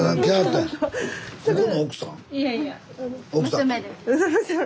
いやいや娘です。